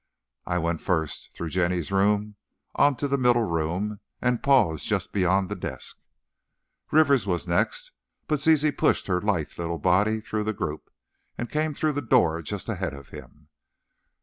I went first, through Jenny's room, on to the middle room, and paused just beyond the desk. Rivers was next, but Zizi pushed her lithe little body through the group, and came through the door just ahead of him.